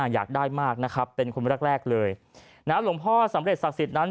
อยากได้มากนะครับเป็นคนแรกแรกเลยนะหลวงพ่อสำเร็จศักดิ์สิทธิ์นั้น